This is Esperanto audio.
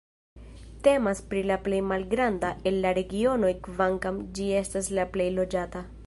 Temas pri la plej malgranda el la regionoj kvankam ĝi estas la plej loĝata.